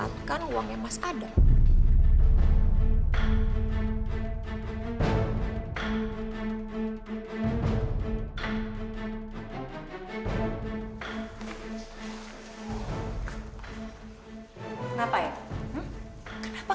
selamat siang pak